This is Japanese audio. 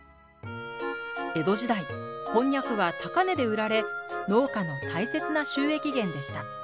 江戸時代こんにゃくは高値で売られ農家の大切な収益源でした。